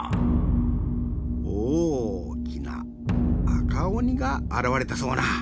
おおきなあかおにがあらわれたそうな。